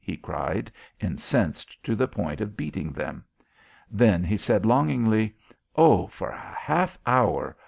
he cried, incensed to the point of beating them. Then he said longingly: "Oh, for a half an hour!